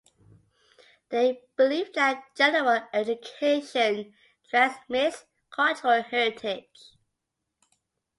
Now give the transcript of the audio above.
They believe that general education transmits cultural heritage.